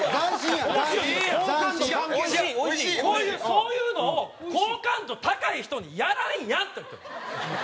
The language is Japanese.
そういうのを好感度高い人にやらんやんって事よ。